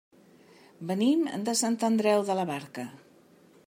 Venim de Sant Andreu de la Barca.